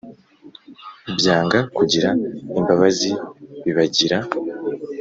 byanga kugira imbabazi bibagira